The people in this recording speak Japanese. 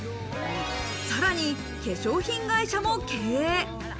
さらに化粧品会社も経営。